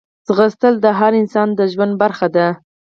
ځغاسته د هر انسان د ژوند برخه ده